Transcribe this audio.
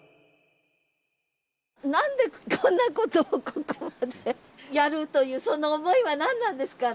何でこんなことをここまでやるというその思いは何なんですか？